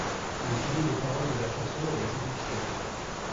Le sujet des paroles de la chanson est la séduction.